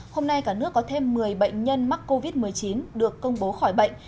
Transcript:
hôm nay cả nước có thêm một mươi bệnh nhân mắc covid một mươi chín được công bố khỏi bệnh